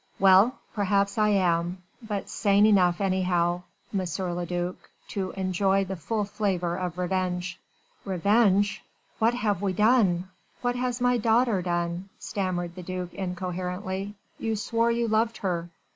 Well! perhaps I am, but sane enough anyhow, M. le duc, to enjoy the full flavour of revenge." "Revenge?... what have we done?... what has my daughter done?..." stammered the duc incoherently. "You swore you loved her